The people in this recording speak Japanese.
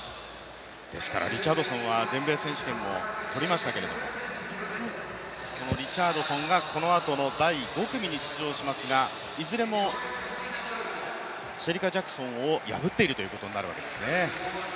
ですからリチャードソンは全米選手権とりましたけどこのあとの第５組に出場しますがいずれもシェリカ・ジャクソンを破っているということになるわけですね。